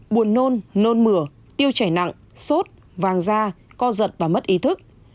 buồn nôn nôn mửa tiêu chảy nặng sốt vàng da co giật và mất ý thức